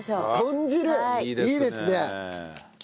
いいですね。